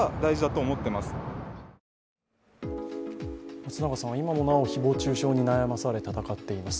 松永さんは今もなお誹謗中傷に悩まされ闘っています。